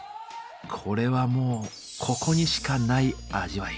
これはもうここにしかない味わい。